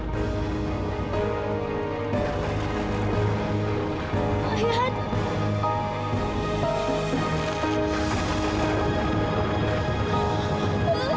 jangan jangan dia cuma ambil jelek dua ya kan